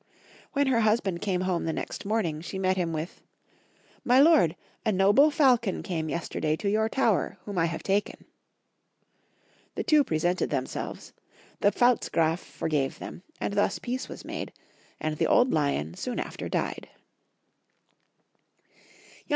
When her husband came home the next morning, she met him with — "My lord, a noble falcon came yester day to your tower, whom I have taken I " The two presented themselves, the Pfalzgraf forgave them, and thus peace was made, and the old Lion soon after died.